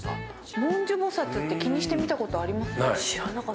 文殊菩薩って気にして見たことあります？